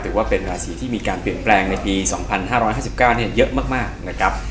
ถือว่าเป็นราศีที่มีการเปลี่ยนแปลงในปี๒๕๕๙เยอะมากนะครับ